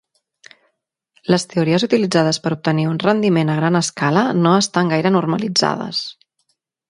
Les teories utilitzades per obtenir un rendiment a gran escala no estan gaire normalitzades.